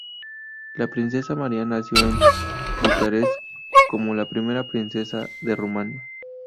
La princesa María nació en Bucarest como la primera princesa de Rumania.